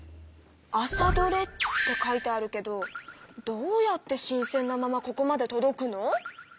「朝どれ」って書いてあるけどどうやって新鮮なままここまでとどくの？